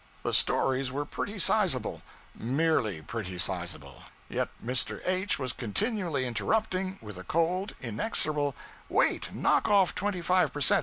The stories were pretty sizable, merely pretty sizable; yet Mr. H. was continually interrupting with a cold, inexorable 'Wait knock off twenty five per cent.